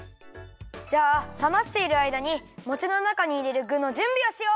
じゃあさましているあいだにもちのなかにいれるぐのじゅんびをしよう！